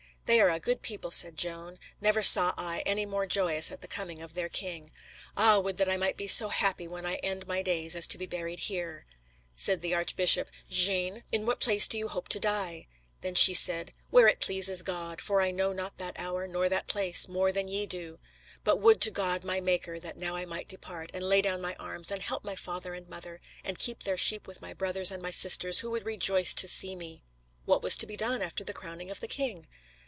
"They are a good people," said Joan. "Never saw I any more joyous at the coming of their king. Ah, would that I might be so happy when I end my days as to be buried here!" Said the archbishop: "Jeanne, in what place do you hope to die?" Then she said: "Where it pleases God; for I know not that hour, nor that place, more than ye do. But would to God, my Maker, that now I might depart, and lay down my arms, and help my father and mother, and keep their sheep with my brothers and my sisters, who would rejoice to see me!" What was to be done after the crowning of the king?